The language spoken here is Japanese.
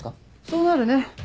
そうなるね。